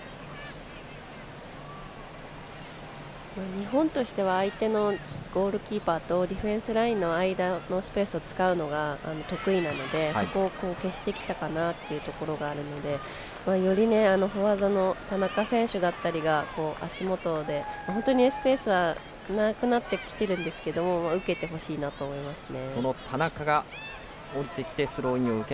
日本としては相手のゴールキーパーとディフェンスラインの間のスペースを使うのが得意なのでそこを、消してきたのかなというところがあるのでよりフォワードの田中選手だったりが足元でスペースはなくなってきているんですけど受けてほしいなと思いますね。